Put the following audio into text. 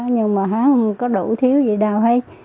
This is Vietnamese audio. nhưng mà hát không có đủ thiếu gì đâu